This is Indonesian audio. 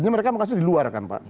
hanya mereka masih di luar kan pak